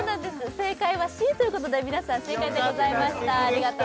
正解はＣということで皆さん正解でございました